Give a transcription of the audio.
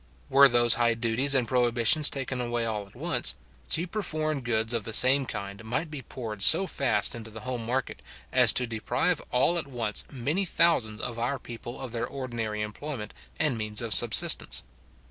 Were those high duties and prohibitions taken away all at once, cheaper foreign goods of the same kind might be poured so fast into the home market, as to deprive all at once many thousands of our people of their ordinary employment and means of subsistence.